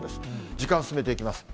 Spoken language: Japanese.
時間進めていきます。